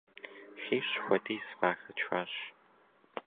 ХищӀ хуэдиз къахэтшащ.